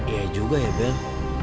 iya juga ya bel